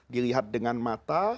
dilihat dengan mata